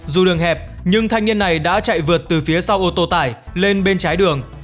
dù đường hẹp nhưng thanh niên này đã chạy vượt từ phía sau ô tô tải lên bên trái đường